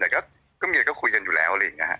อีกเมื่อก็คุยกันอยู่แล้วยังไงฮะ